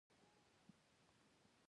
د روغتیا محلي ادارې طرحه وننګوله.